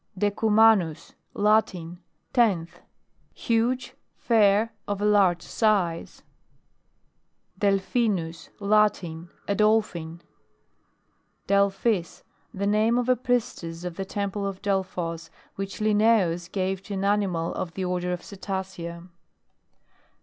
DECUMANUS. Latin. Tenth. Huge, fair, of a large size. DELPHINUS. Latin. A Dolphin. DELPHIS. The name of a priestess of the temple of Delphos, which Linnaeus gave to an animal of the order of cetacea.